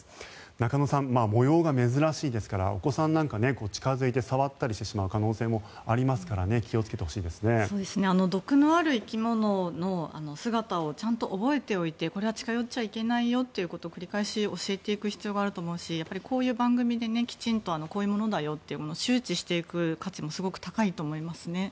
中野さん、模様が珍しいですからお子さんなんか近付いて触ったりしてしまう可能性もありますから毒のある生き物の姿をちゃんと覚えておいてこれは近寄っちゃいけないよということを繰り返し教えていく必要があると思うしこういう番組できちんとこういうものだよと周知していく価値もすごく高いと思います。